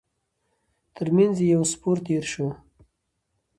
تر مينځ يې يو سپور تېر شو.